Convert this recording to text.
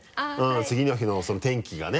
次の日の天気がね